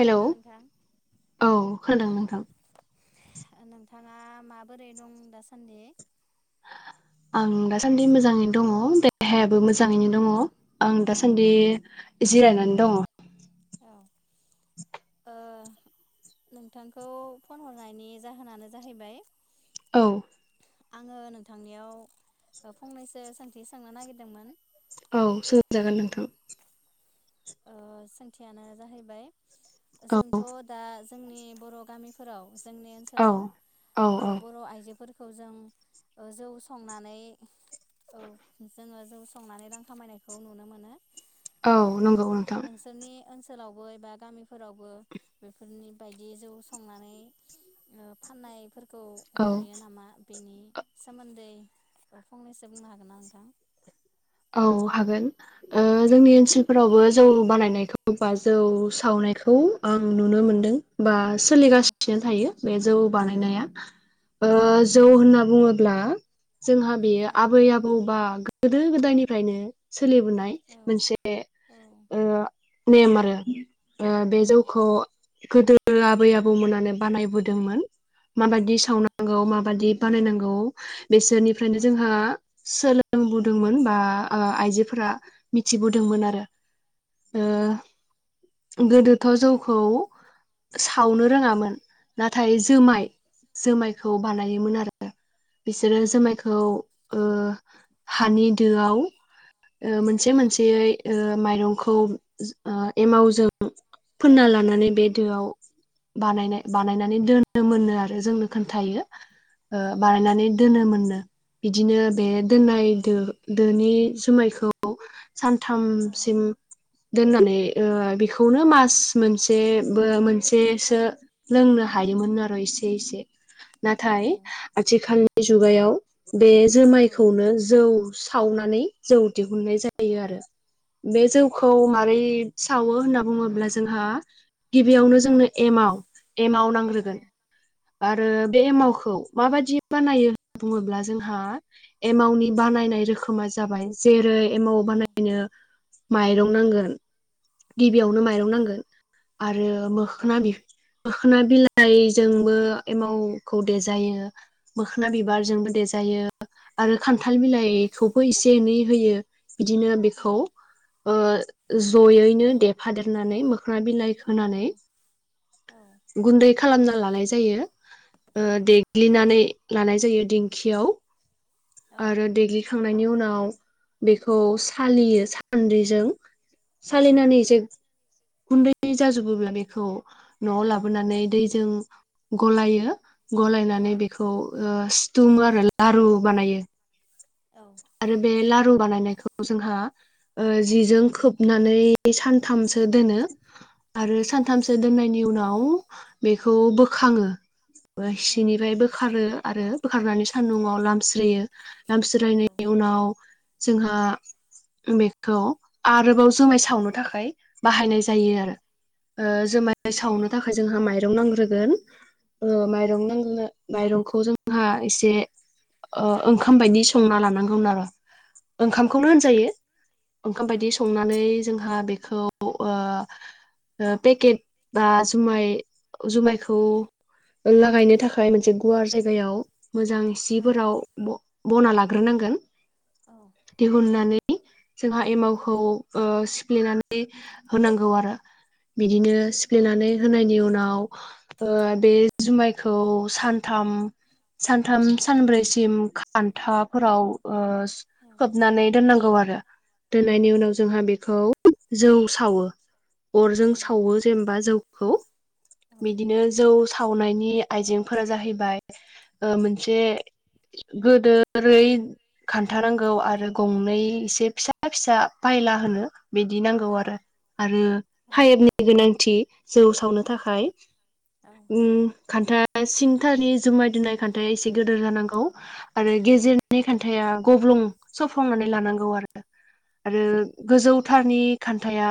Hello नोंथां? औ खोनादों नोंथां, नोंथाङा माबोरै दं दासान्दि? आं दासान्दि मोजाङै दङो देहायाबो मोजाङैनो दङ आं दासान्दि जिरायनानै दङ। औ ओ नोंथांखौ फन हरनायनि जाहोनानो जाहैबाय औ आङो नोंथांनियाव ओ फंनैसो सोंथि सांनो नागिरदोंमोन औ सोंजागोन नोंथां। ओ सोंथियानो जाहैबाय, औ जोंथ' दा जोंनि बर' गामिफोराव, जोंनि औ ओनसोलाव औ ओ औ बर' आइजोफोर खौ जों ओ जौ संनानै औ जोङो जौ संनानै रां खामायनायखौ नुनो मोनो। औ ओ नंगौ नोंथां नोंसोरनि ओनसो ओनसोलावबो एबा गामिफोरावबो बेफोरनि बायदि जौ संनानै ओ फाननाय फोर खौ औ नुयो नामा? बेनि सोमोन्दै, औ फंनैसो बुंनो हागोन ना नोंथां? औ हागोन ओ जोंनि ओनसोलफोरावबो जौ बानायनायखौ अबा जौ सावनायखौ आं नुनो औ मोनदों बा औ सोलिगासिनो थायो बे जौ औ बानायनाया। ओ औ जौ होनना बुङो ब्ला जोंहा बेयो औ आबै आबौ बा गोदो गोदायनि फ्रायनो सोलिबोनाय औ मोनसे औ ओ नेम आरो ओ बे औ जौखौ गोदो आबै आबौमोनानो बानायबोदोंमोन माबादि औ सावनांगौ माबादि बानायनांगौ बिसोरनिफ्रायनो जोंहा सोलोंबोदोंमोन बा ओ आइजोफोरा औ मिथिबोदोंमोन आरो ओ गोदोथ' जौखौ सावनो रोङामोन नाथाय औ जोमाय जोमाय खौ बानायोमोन आरो बिसोरो औ औ जोमायखौ ओ हानि दोआव ओ मोनसे मोनसेयै ओ माइरंखौ जो ओ एमावजों फोनना लानानै औ बे दोआव बानायनाय बानायनानै दोनोमोननो आरो जोंनो खोन्थायो ओ बानायनानै दोनोमोननो बिदिनो बे दोननाय दो दोनि जुमायखौ सानथाम सिम दोननानै ओ बे खौनो मास मोनसे बो मोनसे सो लोंनो हायोमोननो आरो एसे एसे नाथाय आथिखालनि बि जुगायाव बे जोमायखौनो जौ सावनानै जौ दिहुन्नाय जायो आरो। बे जौखौ मारै खावो होन्ना बुङोब्ला जोंहा गिबियावनो जोंनो एमाव एमाव नांग्रोगोन। आरो बे एमावखौ माबादि बानायो होन [unintelligible] बुङोब्ला जोंहा एमाउनि बानायनाय रोखोमा जाबाय जेरै एमाव बानायनो माइरं नांगोन। गिबियावनो माइरं नांगोन। आरो मोखोना बि मोखोना बिलाइजों बो एमावखौ देजायो। मोखोना औ बिबारजोंबो देजायो। आरो औ औ खान्थाल बिलाइ खौबो एसे एनै होयो। बिदिनो बेखौ सानथाम ओ जयैनो देफादेरनानै मोखोना बिलाइ होनानै सानब्रैसिम गुन्दै खालामना लानाय जा यो। ओ खान्थाफोराव देग्लिनानै लानाय जायो दिेंखियाव। अरजों आरो दग्लि खांनायनि उनाव बेखौ सालियो सान्द्रिजों। सावो सालिनानै जों गुन्दै जाजोबोब्ला बेखौ न'आव जेनेबा जौ लाबोनानै दैजों गलायो। गलायनानै बेखौ ओ सिथुमोआरो लारु बानायो। आरो बे लारु बानायनायखौ जोंहा ओ जिजों खोबनानै सानथामसो दोनो। आरो जौ सावनो सानथामसो दोननायनि। उनाव बेखौ बोखाङो। थाखाय सिनिफाय बोखारो। आरो बोखारनानै सान्दुंआव लामस्रोयो लामस्रो इन्जुरनि [unintelligible] उनाव जोंहा बेखौ। आरोबाव खान्थाया जुमाय गब्लं सावनो थाखाय बाहायनाय जायो आरो ओ खालामनानै जुमाय सावनो थाखाय जोंहा माइरं नांग्रोगोन ओ मायरं नांगौनो माइरंखौ जोंहा एसे ओ ओंखाम बायदि संना लानां- [inaudible] ओंखामखौनो होनजायो ओंखाम बायदि संनानै जोंहा बे खौ अ पेकेट बा जुमाय जुमायखौ लागायनो थाखाय मोनसे गुवार जायगायाव मोजां सिफोराव ब- बना लाग्रोनांगोन‌ सावनाय दिहुननानै। जोंहा एमावखौ औ स-। लिनानै होनांगौ आरो। बिदिनो सिफ्लेनानै। होनायनि उनाव ओ बे जुमायखौ सानथाम सानथाम सानब्रैसिम खान्थाफोराव अस खोबनानै दोननांगौ आर- [unintelligible] दोननायनि उनाव जोंहा बेखौ। जौ सावो अरजों सावो जेमबा जौ हौ। बिदिनो जौस सावनायनि आइजेंफोरा जाहैबाय अ मोनसे गोदोरै खान्थानांगौ आरो गंनै एसे फिसा फिसा बायला होनो बिदि नांगौ आरो आरो फाइपनि गोनांथि जौ सावनो थाखाय उम खान्था सिंथानि जुमाय दोननाय खान्थाया एसे गिदोर जानांगौ आरो जायो गेजेरनि खान- या गब्लुं सफंनानै लानांगौ आरो आरो गोजौ थारनि खान्थाया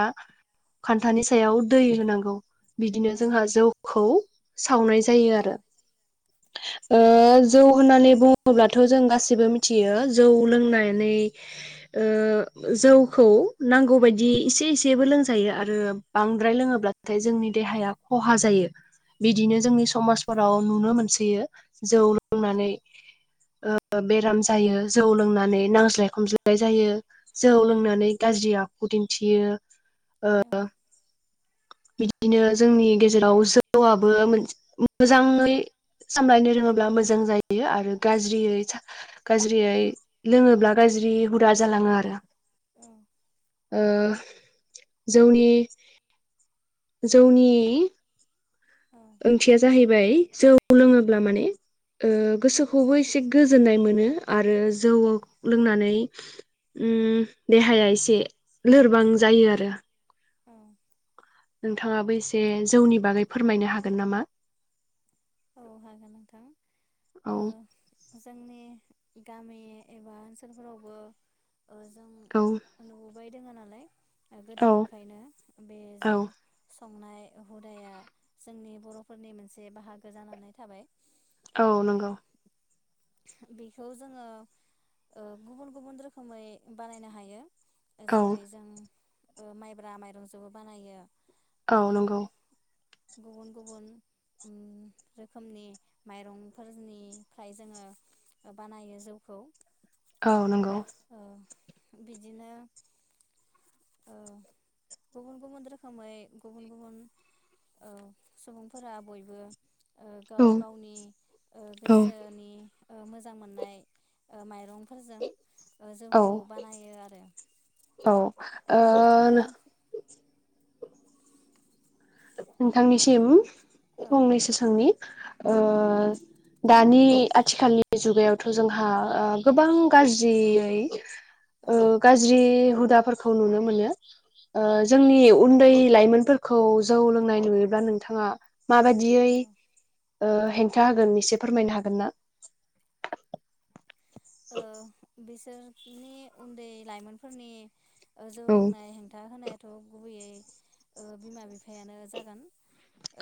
खान्थानि सायाव दै होनांगौ बिदिनो जोंहा जौखौ सावनाय जायो आरो ओ जौ होननानै बुङो अब्लाथ जों गासिबो मि- मिथियो जौ लोंनानै ओ‌ जौखौ नांगौबायदि इसे एसेबो लोंजायो आरो बांद्राय लोङोब्लाथाय जोंनि देहाया ख'हा जायो बिदिनो आरो जोंनि समाजफोराव नुनो मोनसोयो जौ गब्लंनाय लोंनानै जायो ओ‌ बेराम जायो जौ लोंनानै नांज्लाय खमज्लाय जायो जौ औ लोंनानै गाज्रिया खु दिनथियो। औ ओ बिदिनो जोंनि गेजेराव जौआबो मोनसे‌ मोजाङै सामलायनो रोङोब्ला मोजां जायो आरो गाज्रियै गाज्रियै लोङोब्ला गाज्रि ज्रि औ हुदा जालाङो आरो औ ओ‌‌ जौनि जौनि औ ओंथिया जाहैबाय जौ लोङोब्ला माने ओ गोसोखौ खौबो एसे गोजोननाय मोनो आरो जौ लोंनानै उम देहाया एसे लोरबां जायो आरो औ नोंथाङाबो एसे जौनि बागै फोरमायनो हागोन नामा? औ हागोन नोंथां औ ओ जोंनि गामि एबा ओनसोलफोरावबो ओ जों औ नुबोबाय दोङो नालाय औ गोदोनिफ्रायनो बे जौ औ संनाय हुदाया जोंनि बर'फोरनि मोनसे बाहागो गो जानानानै थाबाय। औ ओ नंगौ बेखौ जोङो गुबुन गुबुन रोखोमै बानायनो हायो औ जेरै जों माइब्रा माइरंजोंबो बानायो औ आरो नंगौ गुबुन गुबुन ओ रोखोमनि माइरंफोरनिफ्राय जोङो बानायो जौखौ औ नंगौ [inaudible] ओ बिदिनो ओ गुबुन-गुबुन रोखोमै गुबुन-गुबुन ओ सुबुंफोरा बयबो ओ औ गाव गावनि गोसोनि ओ मोजां मोननाय ओ माइरं फोरजों औ [inaudible] औ ओ [inaudible] नोंथांनिसिम औ फंनैसो सोंनि ओ औ दानि आथिखालनि जुगायावथ जोंहा ओ गोबां गाज्रियै औ ओ गाज्रि हुदाफोरखौ नुनो मोनो ओ औ जोंनि उन्दै लाइमोनफोरखौ जौ लोंनाय नुयोब्ला नोंथाङा माबादियै औ ओ हेंथा होगोन एसे फोरमायनो हागोन ना ओ बिस सोनि उन्दै लाइमोनफोरनि ओ जौ लोंनाय हेंथा होनायाथ गुबैयै ओ बिमा-बिफायानो जागोन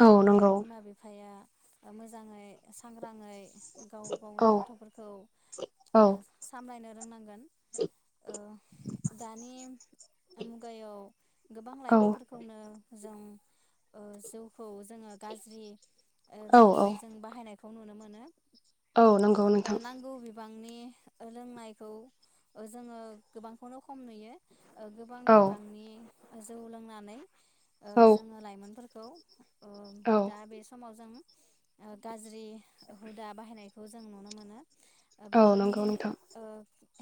ओ औ नंगौ बिमा-बिफाया ओ मोजाङै सांग्राङै गाव औ गावनि गथफोरखौ औ खामायनो रोंनांगोन ओ दानि मुगायाव गोबां औ लाइमोनफोरखौनो जों ओ जौ खौ जोङो गाज्रि ओ औ औ रोखोमै जों बाहायनाय खौ नुनो मोनो। औ नंगौ नोंथां। नांगौ बांनि ओ लोंनायखौ ओ जोङो गोबांखौनो खम नुयो। ओ गोबां औ बिबांनि ओ जौ लोंनानै ओ औ जोङो लाइमोनफोर खौ। अ औ दा बे समाव जों गाज्रि हुदा बाहायनायखौ जों नुनो मोनो। ओ औ बेफोरनि नंगौ नोंथां ओ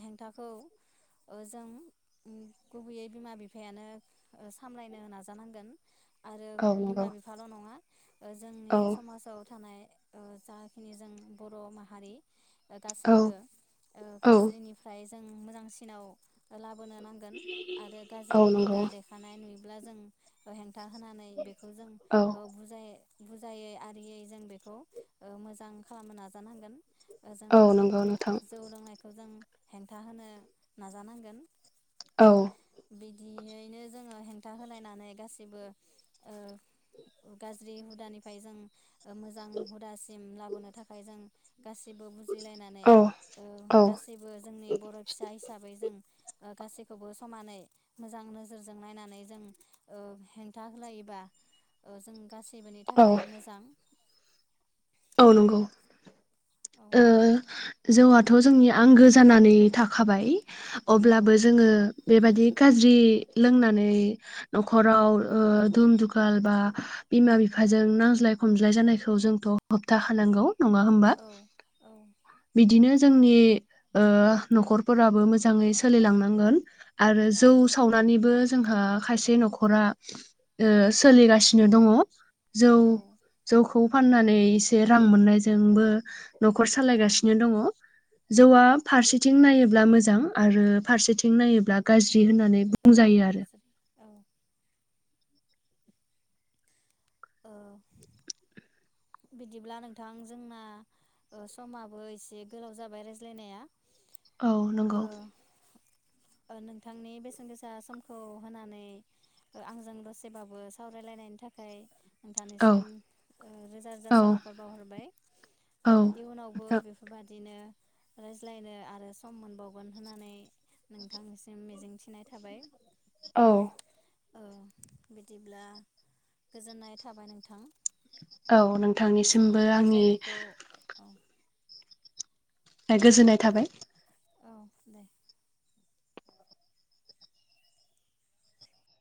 हेंथाखौ ओ जों गुबैयै बिमा बिफायानो ओ सामलायनो नाजानांगोन। आरो औ बिमा नंगौ बिफाल नङा ओ जोंनि औ समाजाव थानाय ओ जाखिनि जों बर' माहारि ओ औ गासैबो ओ औ गाज्रिनिफ्राय जों मोजांसिनाव ओ ला बोनो नांगोन आरो औ गाज्रि नंगौ हुदा देखानाय नुयोब्ला जों [unintelligible] खोथा होनानै बेखौ जों औ ओ बुजाय बुजायै आरियै जों बेखौ ओ मोजां खालामनो नाजानांगोन। ओ जों औ नंगौ नोंथां जौ लोंनायखौ जों हेंथा होनो नाजानांगोन। औ। बिदियैनो जोङो हेंथा होलायनानै गासिबो ओ गाज्रि हुदानिफ्राय जों मोजां हुदासिम लाबोनो थाखाय जों गासिबो बुजिलायनानै औ ओ औ गासैबो जोंनि बर' फिसा हिसाबै जों ओ गासैखौबो समानै मोजां नोजोरजों नायनानै जों ओ हेंथा होलायोबा ओ जों गासै निबोनि औ थाखाय मोजां। औ नंगौ। औ ओ। जौआथ जोंनि आंगो जानानै थाखाबाय। औ अब्लाबो जोङो बेबायदि गाज्रि लोंनानै नखराव ओ दुम दुखाल बा बिमा बिफाजों नांज्लाय खमज्लाय जानायखौ जोंथ होफथा खानांगौ। नङा होमबा औ औ बिदिनो जोंनि ओ नखरफोराबो मोजाङै सोलिलांनांगोन आरो औ जौ सावनानैबो जोंहा खायसे नखरा ओ सोलिगासिनो दङ जौ जौ [unintelligible] खौ फाननानै एसे रां मोननायजोंबो नखर औ सालायगासिनो दङ औ जौआ फारसेथिं नायो ब्ला मोजां आरो फारसेथिं नायोब ब्ला गाज्रि औ होननानै औ बुंजायो आरो गाज्रि औ ओ बिदिब्ला नोंथां जोंना ओ समाबो एसे गोलाव जाबाय रायज्लायनाया औ ओ नंगौ ओ नोंथांनि बेसेन गोसा समखौ होनानै ओ आंजों दसेबाबो सावरायलायनायनि थाखाय औ नोंथानिसिम ओ रोजा रोजा औ साबाखर बावहरबाय औ ओ इयुनावबो नोंथां बेफोरबादिनो रायज्लायनो आरो सम मोनबावगोन होननानै नोंथांनिसिम मिजिंथि औ ओ बिदिब्ला गोजोननाय थाबाय नोंथां औ नोंथांनिसिमबो जोंनि आंनि रायज्लायनायखौ [inaudible] ए गोजोननाय थाबाय औ दे